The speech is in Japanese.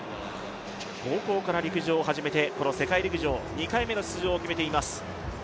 高校から陸上を始めて、世界陸上２回目の出場を決めています。